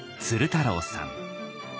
鶴太郎さん。